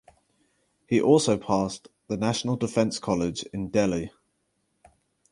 He also passed the National Defence College in Delhi.